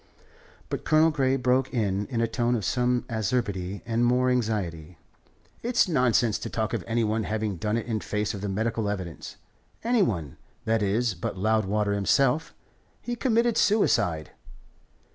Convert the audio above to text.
But Colonel Grey broke in in a tone of some acerbity and more anxiety: "It's nonsense to talk of any one having done it in face of the medical evidence any one, that is, but Loudwater himself. He committed suicide."